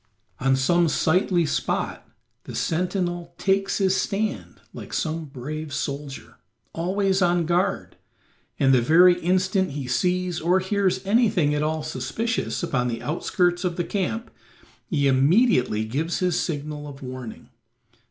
On some sightly spot the sentinel takes his stand like some brave soldier, always on guard, and the very instant he sees or hears anything at all suspicious upon the outskirts of the camp he immediately gives his signal of warning.